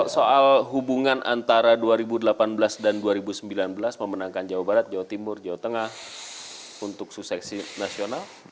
soal hubungan antara dua ribu delapan belas dan dua ribu sembilan belas memenangkan jawa barat jawa timur jawa tengah untuk suseksi nasional